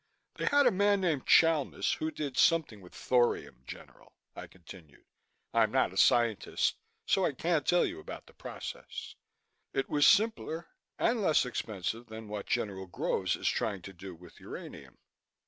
"They had a man named Chalmis who did something with thorium, General," I continued. "I'm not a scientist so I can't tell you about the process. It was simpler and less expensive than what General Groves is trying to do with uranium."